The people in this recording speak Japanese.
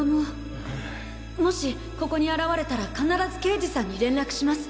もしここに現れたら必ず刑事さんに連絡します。